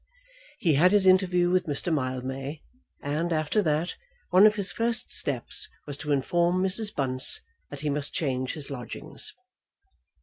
He had his interview with Mr. Mildmay, and, after that, one of his first steps was to inform Mrs. Bunce that he must change his lodgings.